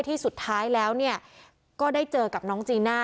สุดท้ายแล้วก็ได้เจอกับน้องจีน่า